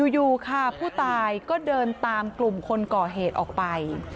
อยู่ค่ะผู้ตายก็เดินตามกลุ่มคนก่อเหตุออกไป